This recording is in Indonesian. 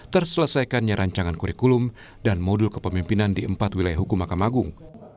terselesaikannya rancangan kurikulum dan modul kepemimpinan di empat wilayah hukum makam agung